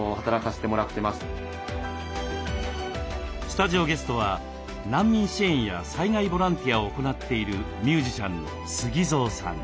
スタジオゲストは難民支援や災害ボランティアを行っているミュージシャンのＳＵＧＩＺＯさん。